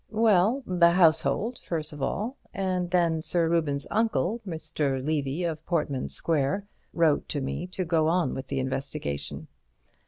"Well, the household first of all, and then Sir Reuben's uncle, Mr. Levy of Portman Square, wrote to me to go on with the investigation."